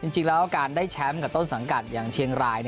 จริงแล้วการได้แชมป์กับต้นสถานกัฐเชียงราย